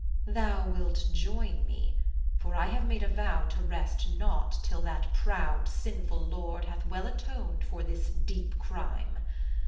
Thou wilt join me, for I have made a vow to rest not till that proud, sinful lord hath well atoned for this deep crime.